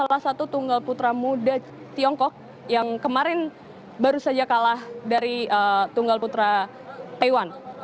salah satu tunggal putra muda tiongkok yang kemarin baru saja kalah dari tunggal putra taiwan